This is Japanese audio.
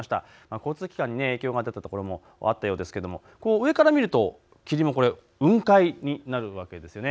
交通機関に影響が出たところもあったようですけれどもこう上から見ると、霧もこれ、雲海になるわけですよね。